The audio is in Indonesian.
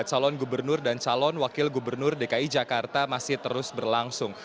calon gubernur dan calon wakil gubernur dki jakarta masih terus berlangsung